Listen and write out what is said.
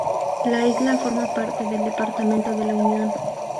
La isla forma parte del departamento de La Unión.